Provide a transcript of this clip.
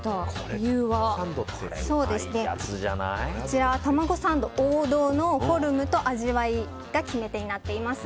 こちらは王道のフォルムと味わいが決め手になっています。